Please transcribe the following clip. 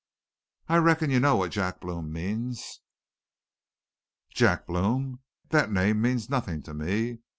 "'I reckon you know what Jack Blome means.' "'Jack Blome! That name means nothin' to me.